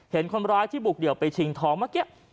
เห็นคนร้ายที่บุกเดี่ยวไปชิงทองเมื่อกี้